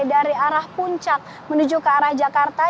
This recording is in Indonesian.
dari arah puncak menuju ke arah jakarta